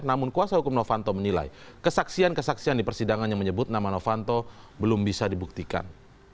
namun kuasa hukum novanto menilai kesaksian kesaksian di persidangan yang menyebut nama novanto belum bisa dibuktikan